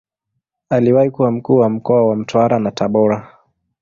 Aliwahi kuwa Mkuu wa mkoa wa Mtwara na Tabora.